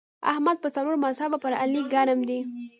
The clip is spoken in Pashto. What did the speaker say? احمد په څلور مذهبه پر علي ګرم دی.